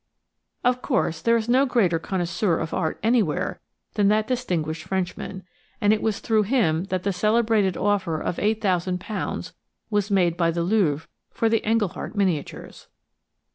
Of course, there is no greater connoisseur of art anywhere than that distinguished Frenchman, and it was through him that the celebrated offer of £8,000 was made by the Louvre for the Engleheart miniatures.